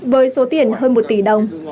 với số tiền hơn một tỷ đồng